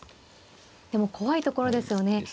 でも怖いところですよね。